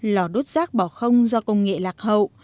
lò đốt rác bỏ không do công nghệ lạc hậu